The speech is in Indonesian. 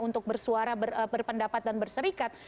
untuk bersuara berpendapat dan berserikat